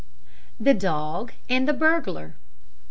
THE DOG AND THE BURGLAR.